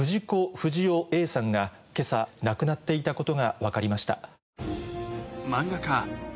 不二雄さんが今朝亡くなっていたことが分かりました。